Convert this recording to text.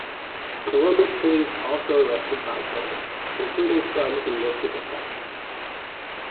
Columbus police also arrested bystanders, including some who lifted the fence.